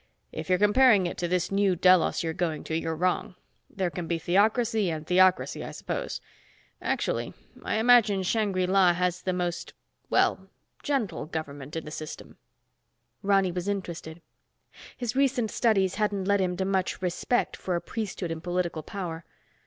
"If you're comparing it to this New Delos you're going to, you're wrong. There can be theocracy and theocracy, I suppose. Actually, I imagine Shangri La has the most, well gentle government in the system." Ronny was interested. His recent studies hadn't led him to much respect for a priesthood in political power.